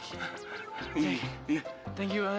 jack thank you banget